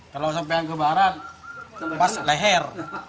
kalau sampai yang ke barat pas leher